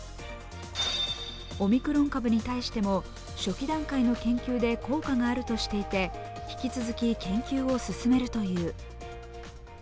オミクロン株に対しても初期段階の研究で効果があるとして引き続き研究を進めるという。